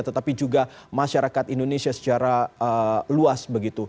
tetapi juga masyarakat indonesia secara luas